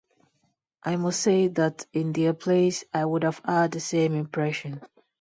I must say that in their place, I would have had the same impression.